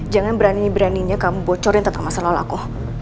jangan beraninya beraninya kamu bocorin tentang masa lalu aku